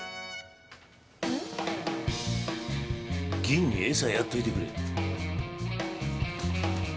銀に餌やっといてくれ。